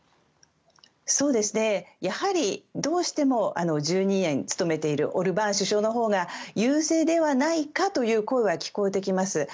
やはり、どうしても１２年務めているオルバーン首相のほうが優勢ではないかという声が聞こえてきます。